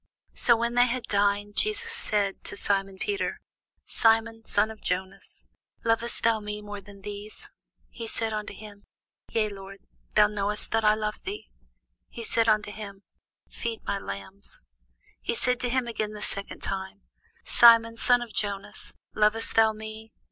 So when they had dined, Jesus saith to Simon Peter, Simon, son of Jonas, lovest thou me more than these? He saith unto him, Yea, Lord; thou knowest that I love thee. He saith unto him, Feed my lambs. He saith to him again the second time, Simon, son of Jonas, lovest thou me?